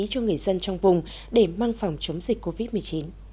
cho người dân trong vùng để mang phòng chống dịch covid một mươi chín